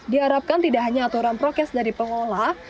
diharapkan tidak hanya aturan prokes dari pengolah